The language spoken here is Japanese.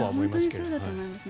本当にそうだと思います。